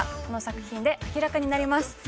この作品で明らかになります